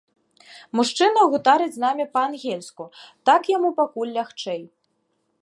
Мужчына гутарыць з намі па-ангельску, так яму пакуль лягчэй.